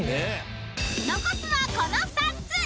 ［残すはこの２つ］